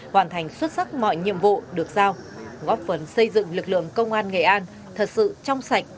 hoàn thành xuất sắc mọi nhiệm vụ được giao góp phần xây dựng lực lượng công an nghệ an thật sự trong sạch